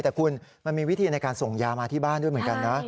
แต่คุณมันมีวิธีในการส่งยามาที่บ้านด้วยเหมือนกันนะ